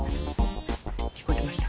聞こえてました？